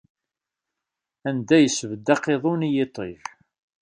Anda yesbedd aqiḍun i yiṭij.